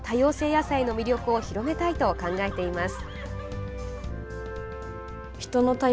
野菜の魅力を広めたいと考えています。